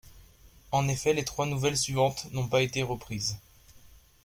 En effet, les trois nouvelles suivantes n'ont pas été reprises.